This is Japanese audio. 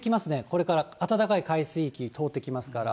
これから、暖かい海水域通ってきますから。